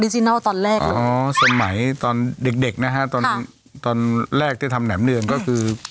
จินัลตอนแรกเลยอ๋อสมัยตอนเด็กเด็กนะฮะตอนตอนแรกที่ทำแหนมเนืองก็คือ